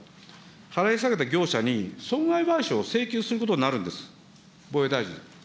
払い下げた業者に、損害賠償を請求することになるんです。